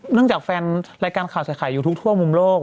เนื่องจากแฟนรายการข่าวสายขายอยู่ทุกทั่วมุมโลก